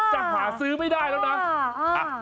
จะหาซื้อไม่ได้แล้วนะ